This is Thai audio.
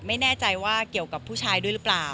ไม่แน่ใจว่าเกี่ยวกับผู้ชายด้วยหรือเปล่า